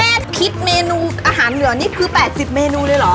คิดเมนูอาหารเหนือนี่คือ๘๐เมนูเลยเหรอ